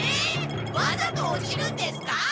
わざと落ちるんですか？